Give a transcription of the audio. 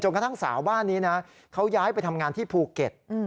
กระทั่งสาวบ้านนี้นะเขาย้ายไปทำงานที่ภูเก็ต